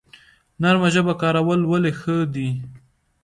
نرمه ژبه کارول ولې ښه دي؟